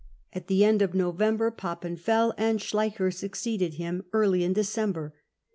At: the end of November Papen fell, and Schleicher suc ceeded him early in December.